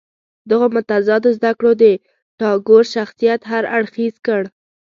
دغو متضادو زده کړو د ټاګور شخصیت هر اړخیز کړ.